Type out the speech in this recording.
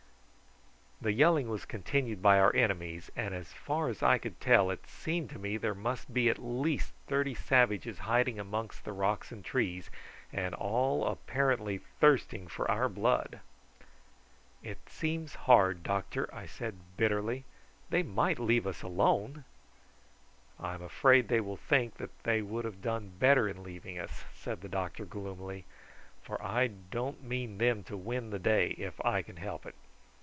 The yelling was continued by our enemies, and as far as I could tell it seemed to me that there must be at least thirty savages hiding amongst the rocks and trees, and all apparently thirsting for our blood. "It seems hard, doctor," I said bitterly. "They might leave us alone." "I'm afraid they will think that they would have done better in leaving us," said the doctor gloomily, "for I don't mean them to win the day if I can help it."